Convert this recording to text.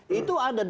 kita tidak tahu